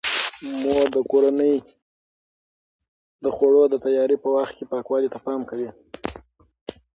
مور د کورنۍ د خوړو د تیاري په وخت پاکوالي ته پام کوي.